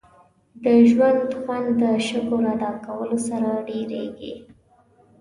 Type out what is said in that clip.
• د ژوند خوند د شکر ادا کولو سره ډېرېږي.